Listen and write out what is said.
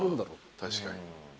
確かに。